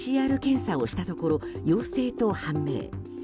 ＰＣＲ検査をしたところ陽性と判明。